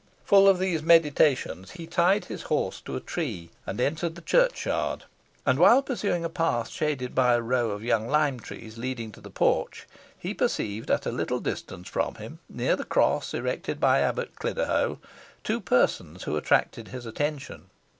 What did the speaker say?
Full of these meditations, he tied his horse to a tree and entered the churchyard, and while pursuing a path shaded by a row of young lime trees leading to the porch, he perceived at a little distance from him, near the cross erected by Abbot Cliderhow, two persons who attracted his attention.